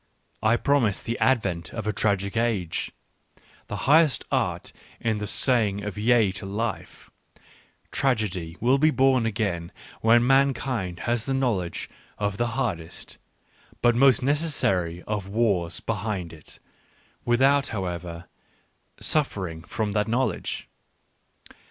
I promise the advent of a tragic age : the highest art in the saying of yea to life, " tragedy," will be born again when mankind has the knowledge of the hardest, but most necessary of wars, behind it, without, how ever, suffering from that knowledge.